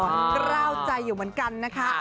กล้าวใจอยู่เหมือนกันนะคะ